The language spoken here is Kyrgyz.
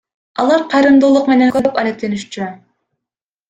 Алар кайрымдуулук менен көп алектенишчү.